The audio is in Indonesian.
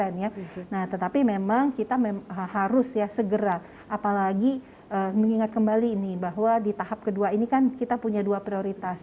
nah tetapi memang kita harus ya segera apalagi mengingat kembali ini bahwa di tahap kedua ini kan kita punya dua prioritas